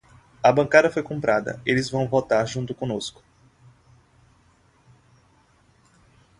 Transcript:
A bancada foi comprada, eles vão votar junto conosco